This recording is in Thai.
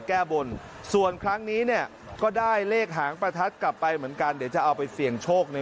อันนี้เป็นเลขหางประทัดเหรอคะ